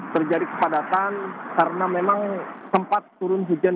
terjadi kepadatan karena memang sempat turun hujan